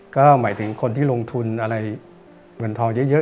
ก็หมายถึงคนที่ลงทุนอะไรเงินทองเยอะ